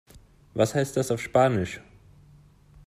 Was heißt das auf Spanisch?